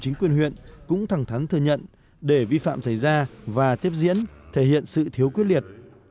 chính quyền huyện cũng thẳng thắn thừa nhận để vi phạm xảy ra và tiếp diễn thể hiện sự thiếu quyết liệt